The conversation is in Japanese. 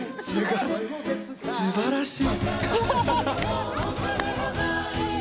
いや、すばらしい。